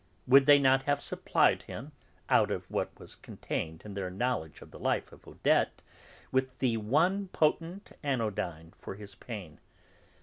Would they not have supplied him, out of what was contained in their knowledge of the life of Odette, with the one potent anodyne for his pain?